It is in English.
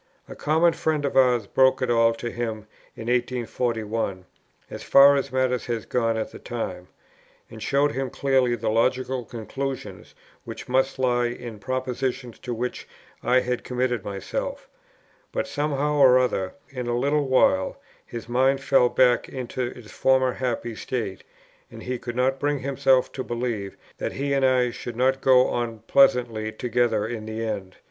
A common friend of ours broke it all to him in 1841, as far as matters had gone at that time, and showed him clearly the logical conclusions which must lie in propositions to which I had committed myself; but somehow or other in a little while, his mind fell back into its former happy state, and he could not bring himself to believe that he and I should not go on pleasantly together to the end.